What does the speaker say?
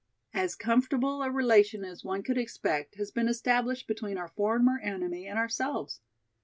As comfortable a relation as one could expect has been established between our former enemy and ourselves.